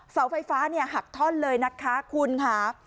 เสาไฟฟ้าหักท่อนเลยนะคะคุณค่ะ